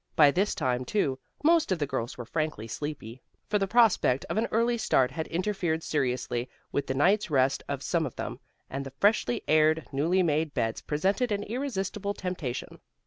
By this time, too, most of the girls were frankly sleepy, for the prospect of an early start had interfered seriously with the night's rest of some of them, and the freshly aired, newly made beds presented an irresistible temptation.